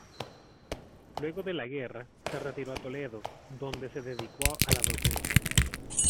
Luego de la guerra, se retiró a Toledo, donde se dedicó a la docencia.